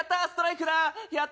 ストライクだ！